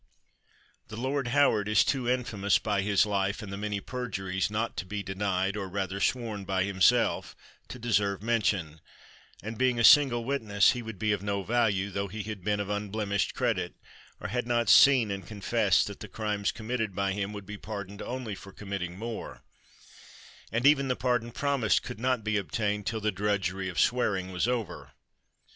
The Lord Howard is too infamous by his life, and the many perjuries not to be denied, or rather sworn by himself, to deserve mention; and being a single witness he would be of no value, tho he had been of unblemished credit, or had not seen and confessed that the crimes com mitted by him would be pardoned only for com mitting more; and even the pardon promised could not be obtained till the drudgery of swear ing was over.